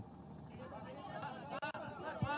boleh dijelaskan nanti akan